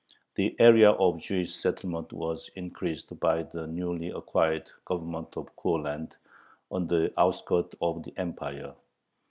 The area of Jewish settlement was increased by the newly acquired Government of Courland, on the outskirts of the Empire.